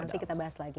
nanti kita bahas lagi